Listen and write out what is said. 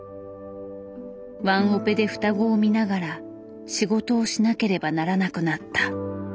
ワンオペで双子を見ながら仕事をしなければならなくなった。